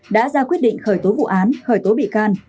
đã ra quyết định khởi tố vụ án khởi tố bị can